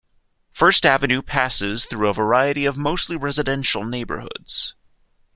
First Avenue passes through a variety of mostly residential neighborhoods.